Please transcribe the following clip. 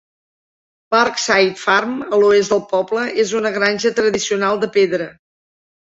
Parkside Farm, a l'oest del poble, és una granja tradicional de pedra.